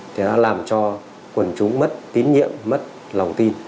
thì đã làm cho quần chúng mất tín nhiệm mất lòng tin